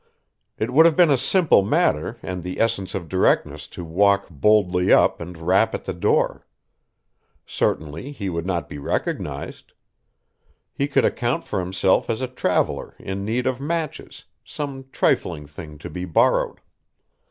It would have been a simple matter and the essence of directness to walk boldly up and rap at the door. Certainly he would not be recognized. He could account for himself as a traveler in need of matches, some trifling thing to be borrowed.